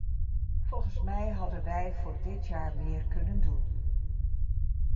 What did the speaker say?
Volgens mij hadden wij voor dit jaar meer kunnen doen.